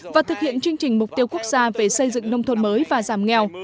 và thực hiện chương trình mục tiêu quốc gia về xây dựng nông thôn mới và giảm nghèo